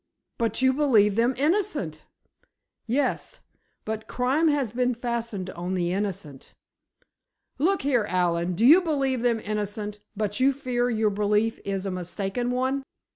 "But you believe them innocent!" "Yes; but crime has been fastened on the innocent." "Look here, Allen, you do believe them innocent—but you fear your belief is a mistaken one!"